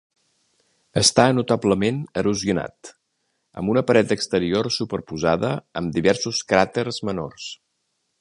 Està notablement erosionat, amb una paret exterior superposada amb diversos cràters menors.